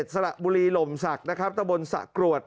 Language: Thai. สระบุรีหลมศักดิ์ตะบนสะกรวด